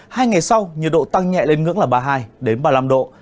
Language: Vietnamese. hai ngày sau nhiệt độ tăng nhẹ lên ngưỡng là ba mươi hai ba mươi năm độ